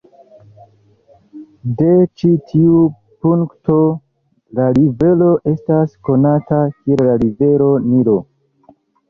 De ĉi tiu punkto la rivero estas konata kiel la Rivero Nilo.